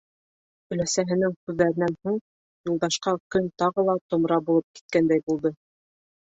Өләсәһенең һүҙҙәренән һуң Юлдашҡа көн тағы ла томра булып киткәндәй булды.